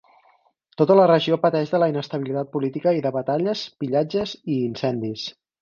Tota la regió pateix de la inestabilitat política i de batalles, pillatges i incendis.